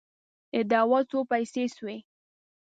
د دوا څو پیسې سوې؟